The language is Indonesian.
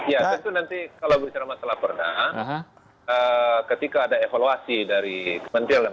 ya tentu nanti kalau bicara masalah perda ketika ada evaluasi dari kementerian